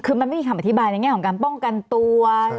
คือมันไม่มีคำอธิบายในแง่ของการป้องกันตัว